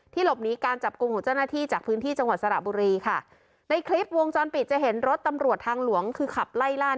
หลบหนีการจับกลุ่มของเจ้าหน้าที่จากพื้นที่จังหวัดสระบุรีค่ะในคลิปวงจรปิดจะเห็นรถตำรวจทางหลวงคือขับไล่ล่า